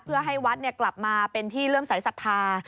เพื่อให้วัดกลับมาเป็นที่เริ่มสายศรัทธา